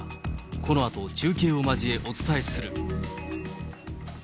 このあと中継を交えお伝えする。